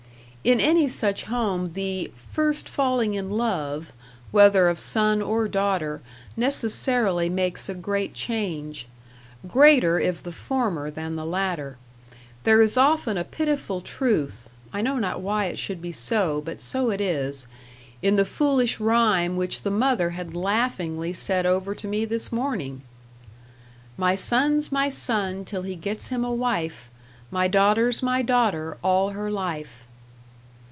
In any such home the "first falling in love," whether of son or daughter, necessarily makes a great change. Greater if the former than the latter. There is often a pitiful truth I know not why it should be so, but so it is in the foolish rhyme which the mother had laughingly said over to me this morning! "My son's my son till he gets him a wife, My daughter's my daughter all her life."